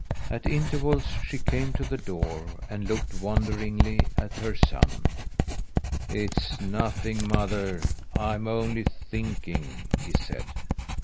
At intervals she came to the door and looked wonderingly at her son. "It's nothing, mother. I'm only thinking," he said.